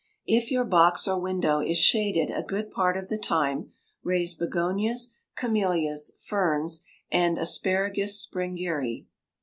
If your box or window is shaded a good part of the time, raise begonias, camellias, ferns, and Asparagus Sprengeri.